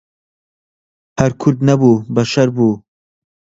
هەر کورد نەبوو بەشەر بوو